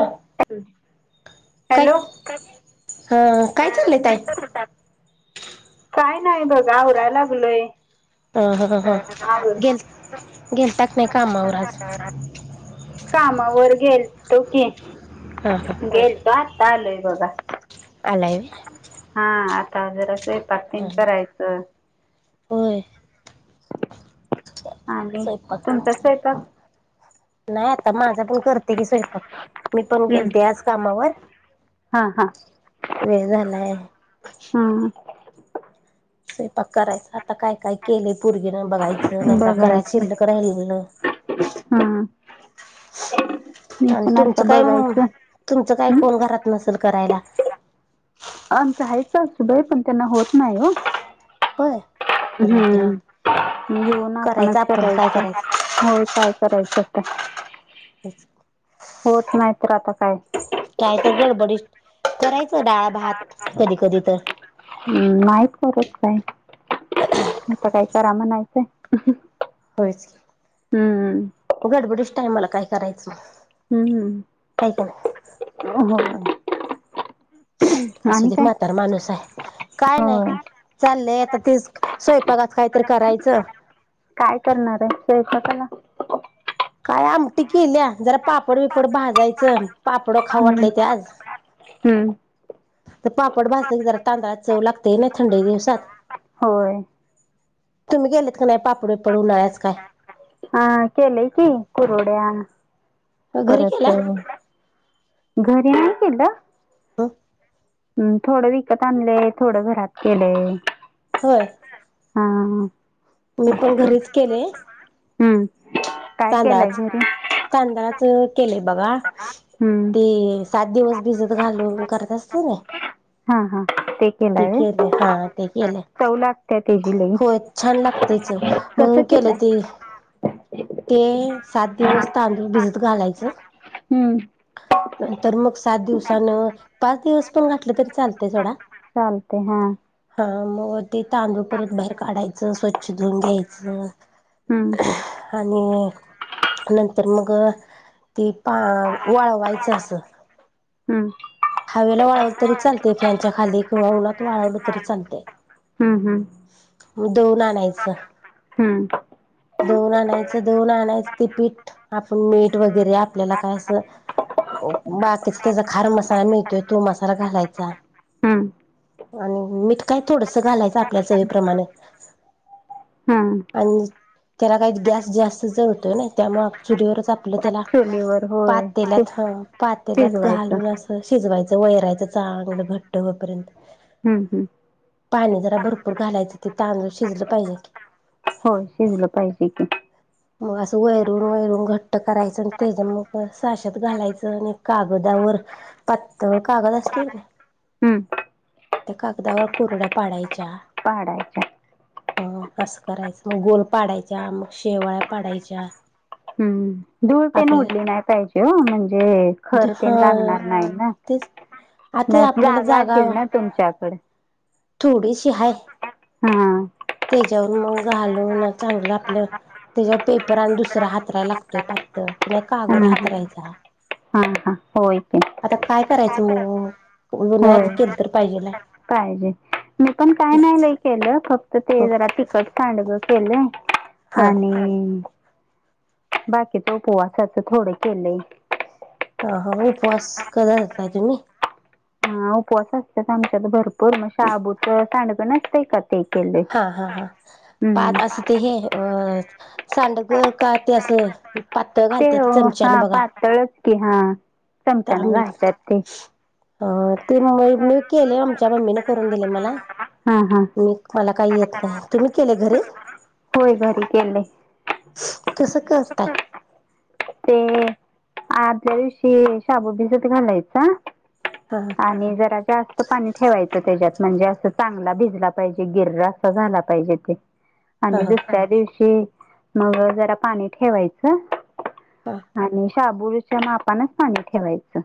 Hello. हा काय चाललंय ताई? काय नाही बघा आवरायला लागलोय. ह हां हां गेल गेलता का नाही कामा वर आज? कामावर? गेल तो की हा हा गेल तो आता आलोय बघा. आलय जार असं पातीिंग करायचं हो आणिले तुम स्वयंपाक तस आहे का नाही आता माझा पण करते की स्वयंपाक, मी पण हम्म गेलते आज कामावर हा हा वेळ झालाय. हा करायचं आता काय काय केलंय पोरगी न बघायचं नाही कराय बघायचं चिल्लक राहिलेलं. हा मी आणि पण आता तुमचं काय बघायचं तुमचं काय हं? कोण घरात नसेल करायला आमच हायत सासूबाई पण त्यांना होत नाही हो होय. राहू दे राहू हम्म दे घेऊन आपणच करायचं आपण काय करायचं होय काय करायचं होत नाही तर आता काय कााय तर घड बडी करायचं डाळ भात कधी कधी तर का असं काही करा म्हणायचंय होयच हम्म गडबडीच टाय मला काय करायचं मग हम्म असु आणि दे काय? म्हातार माणूस आहे काय नाही होय. चाललंय आता तेच स्वयंपाकात काहीतरी करायचं काय करणार आहे सयच त्याला काय आमटी केल्या जरा पापड विपड भाजायचं पापड हम्म. खाऊटलाय ते आज. हम्म. तर पापड भाजत की जरा तांदळा चव लागतेय ना थंडी दिवसात. होय. तुम्ही गेले नाही पापडे पडून न्याच काय हा केलंय घरी केलाय परतअ घरी नाही केलं हा. हम्म थोड विकत आणलंय, थोडं घरात केलंय होय. हा. मी पण असं. घरीच केले. हम्म काय केलंय तांदळाचं, घरी? तांदळाचं केले बघा हम्म. ते सात दिवस भिजत घालून करत असते ना हा हा ते केलं केलंय हा ते व्हय, केलंय चव लागते. तेजी लई होय छान लागतय चव कस म्हणून केलं केलंय ते ते सात दिवस तांदूळ भिजत घालायचं. हम्म नंतर मग सात दिवसान पाच दिवस पण घातलं तरी चालते सोडा, चालतंय हा. हा मग व ते तांदूळ परत बाहेर काढायचं स्वच्छ धुऊन घ्यायचं. हम्म आणि नंतर मग ती पा वाळवायचं असं. हम् हवेला वाळवलं तरी चालते फॅनच्या खाली किंवा उनात वाळवलं तरी चालते. हम्म हम्म म दळून आणायचं. हम्म.. दोन आणायचं दोन आणायचं ते पीठ आपण मीठ वगैरे आपल्याला काय असं. बाकीच त्याचा खार मसाला मिळतोय तो मसाला घालायचा. हम्म आणि मीठ काय थोडसं घालायचं आपल्या चवीप्रमाणं हा. त्याला काही गॅस जास्त जळतोय ना त्यामुळे चुलीवरच आ पलं त्याला चुलीवर होय शि- पातेल्यात ह पातेल्यात शिजवायचं घालून अस शिजवायचं. वैरायचं चांगलं घट्ट होपर्यंत हम्म हम्म पाणी जरा भरपूर घालायचं. ते तांदूळ शिजलं पाहिजे की. होय शिजलं पाहिजे की. मग असं वैरून वैरून घट्ट करायचं आणि त्याच मग साशात घालायचं आणि कागद. कागदावर पातळ कागद असतोय की नाही. हम्म त्या कागदावर कुरड्या पाडायच्या. पाडायच्या हो असं करायचं मग गोल पाडायच्या मग शेवाळ्या पाडायच्या. हम्म. तूळ तेन आपल्याला उडली नाही पाहिजे हो म्हणजे खर तेन हा लागणार नाही ना. तेच न आता आपल्याला जागा असशील ना तुमच्याकडे. थोडीशी हाय हा. त्याच्यावर मग घालून चांगलं आपलं. त्याच्यावर पेपर आणि दुसरा हातराय लागतोय पातळ. नाही हा कागद हातरायचा, हा हा होय की आता काय. करायचं मग होय उन्हाळ्यात केल तर पाहिजे लय. पाहिजे मी पण काय नाही लय केलं फक्त ते बघ जरा तिखट सांडग केलंय हा आणि. बाकीचं उपवासाचं थोडं केलय. हा हा उपवास क धरताय तुम्ही. ह उपवास असतात आमच्यात भरपूर मग शाबूच सांडगं नसतंय का. ते केलंय हा हा हा पा हम्म. असं ते हे अ. सांडग का ते असं पातळ ते घालते हो चमच्यान हा बघा पातळच की हा. चमचा ना घालत्यात ते. हा ते म मी केले आमच्या मम्मीने करून दिले मला हा हा मी. मला काही येत नाही तुम्ही केले घरी. होय घरी केलंय कस करतात. ते आदल्या दिवशी शाबु भिजत घालायचा. हा आणि जरा जास्त पाणी ठेवायचं त्याच्यात. म्हणजे असं चांगला भिजला पाहिजे गिर्र असा झाला पाहिजे ते. हा आणि हा दुसऱ्या दिवशी मग जरा पाणी ठेवायचं. हा आणि शाबुच्या मापानच पाणी ठेवायचं.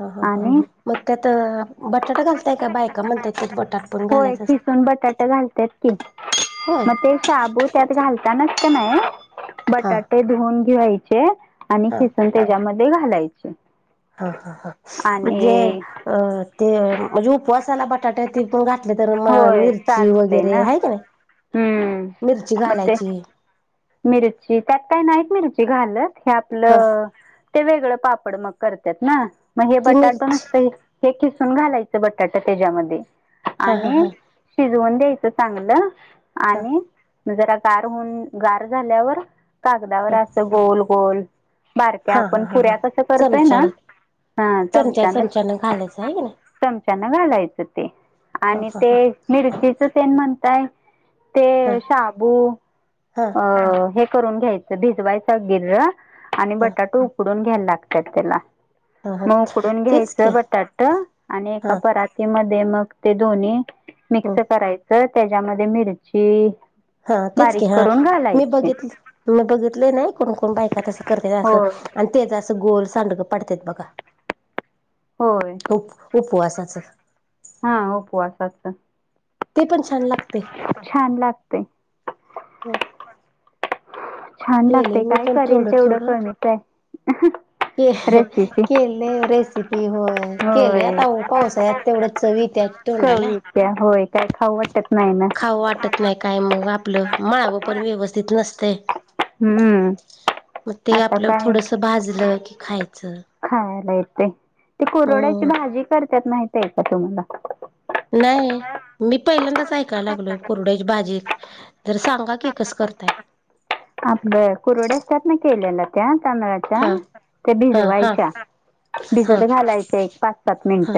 हा हा हा आणि म. त्यात बटाटा घालताय का बायका म्हणताय त्यात बटाट पण होय घालायच खिसून असत. बटाटे घालतात की होय मग ते शाबू त्यात घालता. नाही हा बटाटे धून घ्यायचे आणि हा किसून त्याच्यामध्ये. ते घालायचे. हा हा हा म्हणजे आणि अ ते म्हणजे उपवासाला बटाटे ते पण घ. नाही तर म होय मिरची चालतंय वगैरे ना आहे का नाही. हम्म मिरची मग ते घालायची. मिरची त्यात काय नाहीत मिरची घालत हे ह आपलं ते वेगळं. पापड मग करत्यात ना मग हे ती बटाटे मिरची निघते ते किसू घालायचं बटाट त्याच्यामध्ये हा हा आणि हा शिजवून द्यायचं चांगलं ह आणि जरा गार होन गार झाल्यावर कागदावर असं गोल गोल बारक्या हा हा आपण हा हा पुऱ्या कसं करतय ना चमचान हा चमचा चमच्यान चमचान घालायचं आहे की नाही चमच्यान घालायचं ते ह आणि ते ह ह मिरचीच सेण म्हणताय ते शाबू ह अ हे करून घ्यायचं भिजवायचं गिर आणि ह बटाटे उकडून घ्यायला लागतात ह ह त्याला कडून तेच घ्यायच की बटाट आणि एका हा परातीमध्ये मग ते दोन्ही हो मिक्स करायचं त्याच्यामध्ये मिरची हा तेच बारीक क हा करून मी घालायची बघित मी बघितले नाही कोण कोण बायक असं करत असं होय आणि तेच असं गोल सांड पडतेत बघा होय उप उपवासाच हा उपवासाच ते पण छान लागते छान लागतय छान केले लागतेय मी काय पण करेल थोडं तेवढं थोडं कमीच आहे रेसिपी केले रेसिपी होय केले होय आता पावसाळ्यात तेवढं चवी वितथोंला [unintelligible] चवीच्या होय काय खाऊ वा खाऊं वाटत नाही काय मग आपलं मळावं पण व्यवस्थित नसतय हम्म मग ते आता आपलं काय थोडस भाजलं की खायचं खायला ते कुरुड्याची हो भाजी करत्यात माहीत आहे का तुम्हाला नाही मी पहिल्यांदाच ऐकायला लागलोय कुरड्याची भाजी तर सांगा की कस करताय अ कुरड्या असतात ना केलेला त्या तांदळाच्या हां ते बिज हां हां वयच्या भिजत हां घालायच्या एक पाच सात मिनिट हां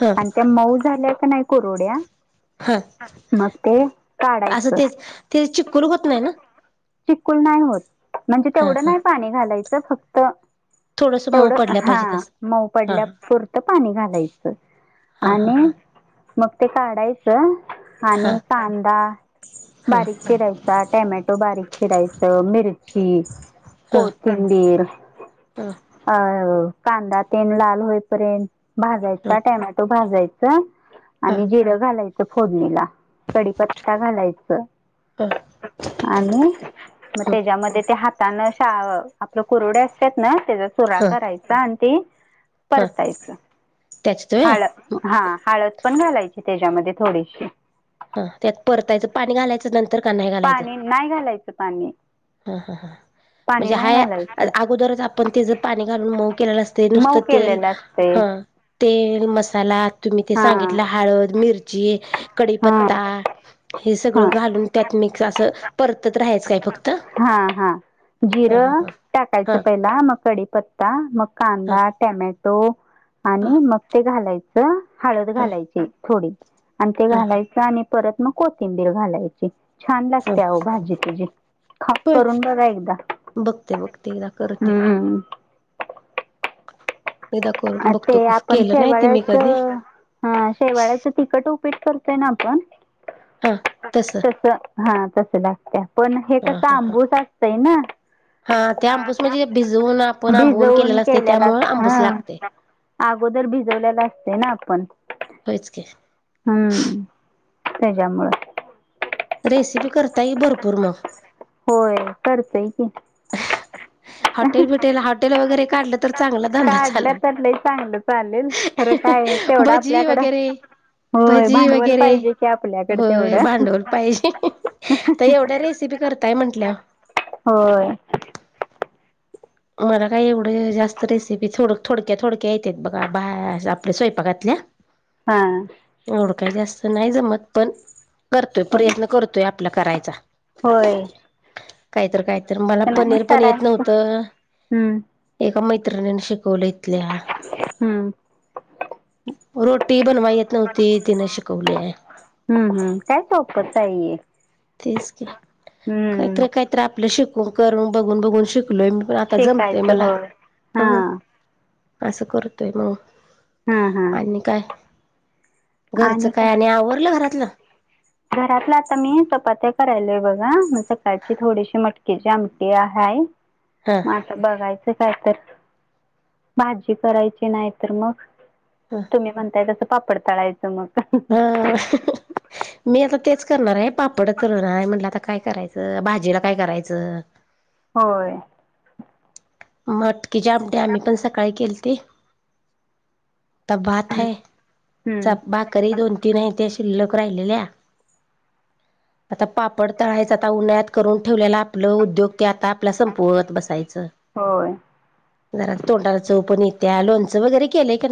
हां त्या मऊ झाल्या का नाही कररवड्या हां मग ते असं काढायचं तेच ते चिकूल होत नाही ना चिकुल नाही होत म्हणजे हां तेवढं हां नाही पाणी घालायचं फक्त थोडस मऊ तेवढं पडल्या हा पाहिजेत असं मऊ हा पडल्या पुुरतं पाणी घालायचं हा हा आणि हा मग ते काढायचं हा आणि कांदा हा हा बारीकचे राहायचा टमॅटो बारीक ि रायस मिरची हा हा कोथिंबीर हा ह कांदा तेल लाल होईपर्यंत भाजायचा टमॅटो भाजायचा हा आणि जेर घालायचं फोडणीला कडीपत्ता घालायच हा आणि मग त्याच्यामध्ये त्या हातानं शा आपलं कुरुडे असतात ना त्याचा चरा हा करायचा आणि ते हा परतायच त्याच्यात व्हय हळ हा हळद पण घालायची त्याच्यामध्ये थोडीशी हा त्यात परतायचं पाणी घालायचं नंतर का नाही घालायचं पाणी नाही घालायचं पाणी हा हा हा पाणी म्हणजे हा नाही घालायचं अगोदरच आपण तेच पाणी घालून मऊ केलेलं न असते मऊ नुसतं तेल केलेलं असते ह तेल मसाला तुम्ही ते हा सांगितलं हळद मिरची हा कडीीपत्ता पता हे सगळं हा घालून त्यात मिक्स असं परतत राहायचं काय फक्त हा हा जिरं हा टाकायचं पहिला मग कडीीपत्ता मग हा कांदा टॅमॅटो हा आणि मग ते घालायचं हळद हा घालायची थोडी आणि ते घालायचं आणि परत मग कोथिंबीर घालायची छान हा लागतेह भाजी तुझी खप होय करून बघ एकदा बघते बघते एकदा करते हम्म [inaudible] करून ते बघतो आपण केलं नाही ते मी शेवाळ्याच कधी हा शेवाळ्याचं तखट उ करय आप हा तस त हा तस लागते पण हे हा कसं हा हा आंबूस असतंय ना. हा ते आंबूस म्हणजे भिजवून आपण आंबवून भिजवून असते केलेला. त्यामुळे हा. आंबूस लागते अगोदर भिजवलेला असते ना आपण. होयच की हम्म तेच्या मुळं. रेसिपी करताये भरपूर मग. होय करतंय की. हॉटेल बिटेल हॉटेल वगैरे काढलं, तर चांगला धंदा काढलं चालल. तर लय चांगलं चालेल खरं काय आहे, तेवढं भजी आपल्याकडं वगैरे होय भजी भांडवल वगैरे पाहिजे की आपल्याकडे होय, तेवढं भांडवल पाहिजे. आता एवढ्या रेसिपी करत हो मला काय एवढे जास्त रेसिपी थोड थोडक्या थोडक्या येत बघा बा आपल्या स्वयंपाकातल्या हा एवढ काही जास्त नाही जमत पण करतोय पण प्रयत्न करतोय आपला करायचा होय काहीत काहीत मला नाही पनीर पण येत करायचं नव्हतं हम्म का मैत्रिणीन शिकवलं इतल्या हम्म रोटी बनवा येत नव्हती तिने शिकवलीय हम्म हम्म काय सोपतता आहे तेच की, हम्म काहीतरी काहीतरी आपलं शिकून करून बघून बघून शिक लोय पण आता जमतेय शिकायचं मला. होय हा असं करतोय मग. हा हा आणि काय? घरचं काय? आणि आवरलं घरातलं. घरातलं आता मी चपात्या करायलेय, बघा म सकाळची थोडीशी मटकेची आमटी आहे. हा म अता बघायचं काय तर. भाजी करायची नाही तर मग, तुम्ही म्हणताय तसं. पापड तळायचं मग. ह मी आता तेच करणारे पापडच तळणारे म्हणटलं आता काय करायचं भाजीला काय करायचं. होय. मटकी जे आमटी आम्ही पण सकाळी केलती. आता भात हम्म हाय, च हम्म भाकरी दोन तीन हा हे. ्या शिल्लक राहिलेल्या. आता पापड तळायचं, आता उन्हाळत करून ठेवलेला आपलं उद्योग, ते आता आपला संपवत बसायचं. होय जरा तोंडाला चव येतीया, लोणचं वगैरे केलंय की नाही.